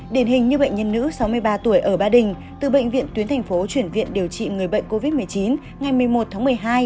điển hình như bệnh nhân nữ sáu mươi ba tuổi ở ba đình từ bệnh viện tuyến thành phố chuyển viện điều trị người bệnh covid một mươi chín ngày một mươi một tháng một mươi hai